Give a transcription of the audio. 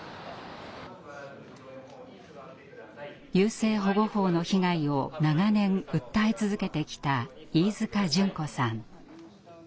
優生保護法の被害を長年訴え続けてきた飯塚淳子さん。